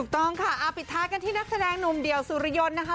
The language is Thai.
ต้องค่ะปิดท้ายกันที่นักแสดงหนุ่มเดี่ยวสุริยนต์นะคะ